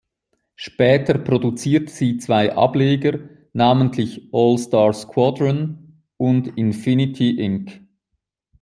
Später produzierte sie zwei Ableger, namentlich "All Star Squadron" und "Infinity Inc.